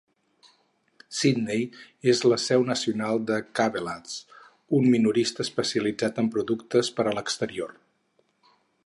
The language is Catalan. Sidney és la seu nacional de Cabela's, un minorista especialitzat en productes per a l'exterior.